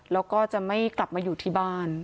แล้วก็จะไม่กลับมาอยู่ที่บ้าน